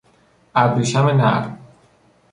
ابریشم نرم